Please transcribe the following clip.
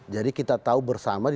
jadi kita tahu bersama di dua ribu empat